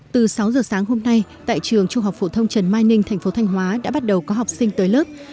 từ sáu giờ sáng hôm nay tại trường trung học phổ thông trần mai ninh thành phố thanh hóa đã bắt đầu có học sinh tới lớp